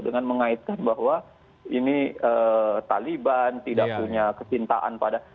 dengan mengaitkan bahwa ini taliban tidak punya kesintaan pada